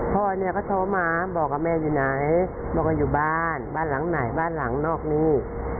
พ่อเนี่ยเขาโทรมาบอกว่าแม่อยู่ไหนบอกว่าอยู่บ้านบ้านหลังไหนบ้านหลังนอกนี่